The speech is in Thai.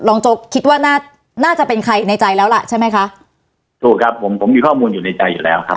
โจ๊กคิดว่าน่าจะเป็นใครในใจแล้วล่ะใช่ไหมคะถูกครับผมผมมีข้อมูลอยู่ในใจอยู่แล้วครับ